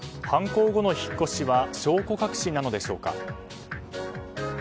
犯行後の引っ越しは証拠隠しなのでしょうか。